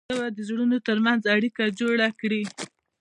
ژبه د زړونو ترمنځ اړیکه جوړه کړي